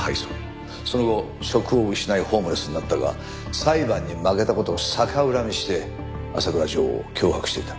その後職を失いホームレスになったが裁判に負けた事を逆恨みして浅倉譲を脅迫していた。